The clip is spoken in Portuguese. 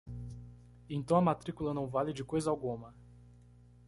Então a matrícula não vale de coisa alguma?